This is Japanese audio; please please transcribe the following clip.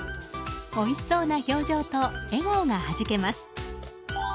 おいしそうな表情と笑顔がはじけます。